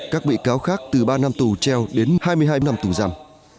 các bị cáo khác từ ba năm tù treo đến hai mươi hai năm tù giam